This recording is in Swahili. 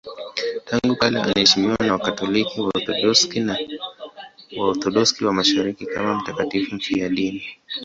Tangu kale anaheshimiwa na Wakatoliki, Waorthodoksi na Waorthodoksi wa Mashariki kama mtakatifu mfiadini.